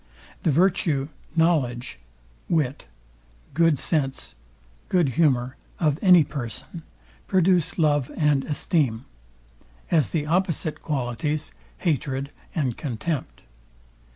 The virtue, knowledge, wit, good sense, good humour of any person, produce love and esteem; as the opposite qualities, hatred and contempt.